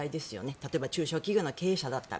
例えば中小企業の経営者だったら。